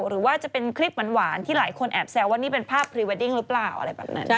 หรือว่าจะเป็นคลิปหวานที่หลายคนแอบแซวว่านี่เป็นภาพพรีเวดดิ้งหรือเปล่าอะไรแบบนั้น